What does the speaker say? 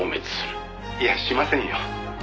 「いやしませんよ」